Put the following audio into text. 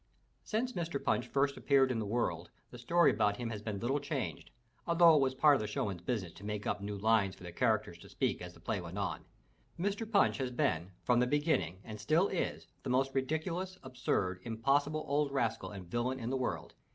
Since Mr. Punch first appeared in the world the story about him has been little changed, although it was part of the show man's business to make up new lines for the characters to speak as the play went on. Mr. Punch has been from the begin ning and still is, the most ridiculous, absurd, impossible old rascal and villain in the world!